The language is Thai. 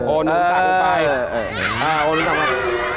โอนุตักลงไป